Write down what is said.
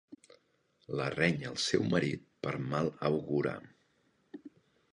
La renya el seu marit per mal augurar?